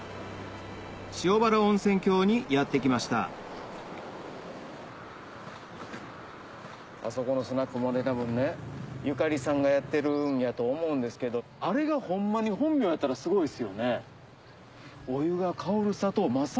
塩原温泉郷にやって来ましたあそこのスナックも多分ねユカリさんがやってるんやと思うんですけどあれがホンマに本名やったらすごいですよね。